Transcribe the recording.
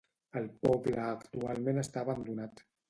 El poble actualment està abandonat.